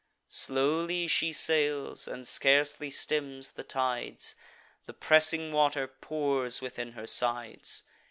Slowly she sails, and scarcely stems the tides; The pressing water pours within her sides.